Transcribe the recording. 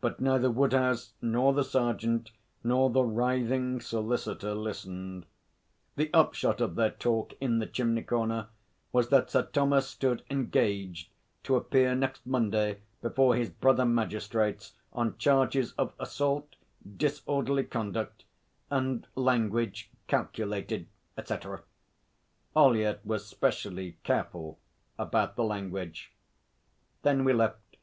But neither Woodhouse nor the sergeant nor the writhing solicitor listened. The upshot of their talk, in the chimney corner, was that Sir Thomas stood engaged to appear next Monday before his brother magistrates on charges of assault, disorderly conduct, and language calculated, etc. Ollyett was specially careful about the language. Then we left.